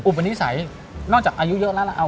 อุปนิสัยนอกจากอายุเยอะแล้ว